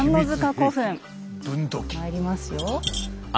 まいりますよ。